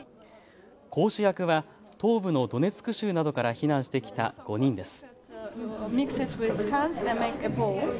講師役は東部のドネツク州などから避難してきた５人です。